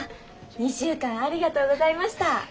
２週間ありがとうございました。